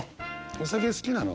お酒好きなの？